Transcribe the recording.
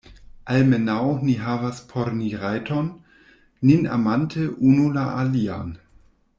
Almenaŭ ni havas por ni rajton, nin amante unu la alian.